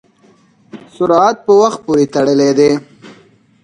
سرعت په وخت پورې تړلی دی.